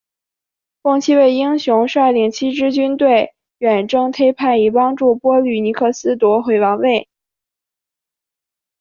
共七位英雄率领七支军队远征忒拜以帮助波吕尼克斯夺回王位。